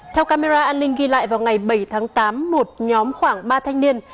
theo camera an ninh ghi lại vào ngày bảy tháng tám một nhóm khoảng ba thanh niên